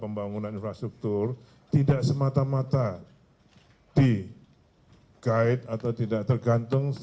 pembangunan infrastruktur tidak semata mata digait atau tidak tergantung